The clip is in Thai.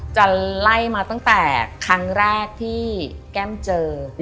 ไล่มาตั้งแต่ครั้งแรกที่แก้มเจอ